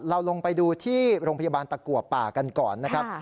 ลงไปดูที่โรงพยาบาลตะกัวป่ากันก่อนนะครับ